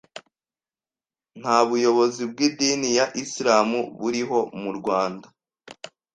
Ntabuyobozi bw’idini ya Islam buriho mu Rwanda